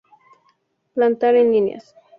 Plantar en líneas.